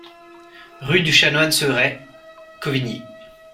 Rue du Chanoine Seret, Cauvigny